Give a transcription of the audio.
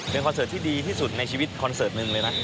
เป็นคอนเสิร์ตที่ดีที่สุดในชีวิตคอนเสิร์ตหนึ่งเลยนะ